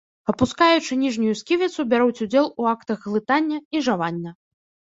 Апускаючы ніжнюю сківіцу бяруць удзел у актах глытання і жавання.